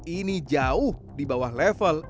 ini jauh di bawah level